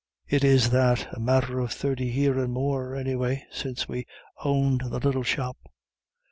"It is that. A matter of thirty year and more, anyway, since we owned the little shop.